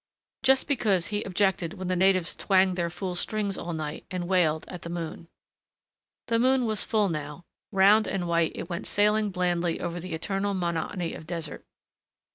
Just because he objected when the natives twanged their fool strings all night and wailed at the moon. The moon was full now. Round and white it went sailing blandly over the eternal monotony of desert....